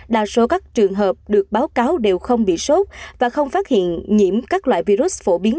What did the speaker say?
đa số các trường hợp được báo cáo đều không bị sốt và không phát hiện nhiễm các loại virus phổ biến